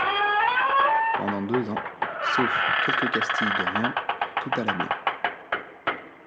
Pendant deux ans, sauf quelques castilles de rien, tout alla bien.